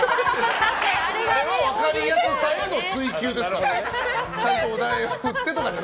あれは分かりやすさの追求ですから。